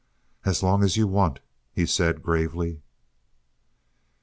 "As long as you want," he said gravely.